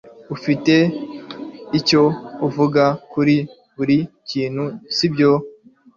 Ufite icyo uvuga kuri buri kintu, sibyo?